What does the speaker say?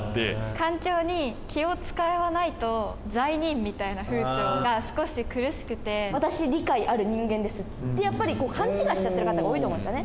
環境に気を遣わないと罪人み私、理解ある人間ですって、やっぱり勘違いしちゃってる方が多いと思うんですよね。